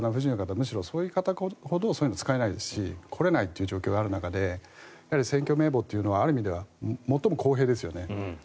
むしろそういう方こそそういうのが使えないですし来れないという状況がある中で選挙名簿というのはある意味では最も公平ですよね。